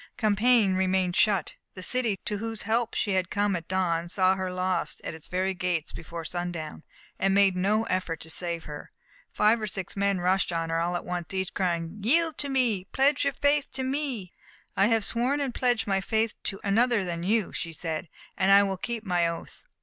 Compiègne remained shut. The city to whose help she had come at dawn saw her lost at its very gates before sundown, and made no effort to save her. Five or six men rushed on her at once, each crying: "Yield to me! Pledge your faith to me!" "I have sworn and pledged my faith to another than you," she said, "and I will keep my oath."